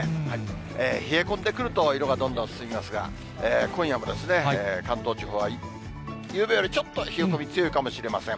冷え込んでくると、色がどんどん進みますが、今夜も関東地方は、ゆうべよりちょっと冷え込み強いかもしれません。